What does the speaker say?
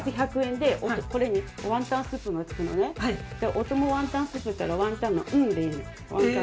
おともワンタンスープだったらワンタンの「ん」でいい。